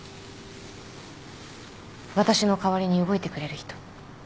私の代わりに動いてくれる人。